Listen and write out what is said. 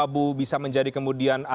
bisa menjadi kemudian